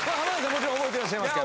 もちろん覚えてらっしゃいますか？